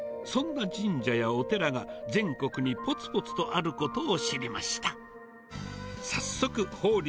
そんな神社やお寺が、全国にぽつぽつとあることを知りました。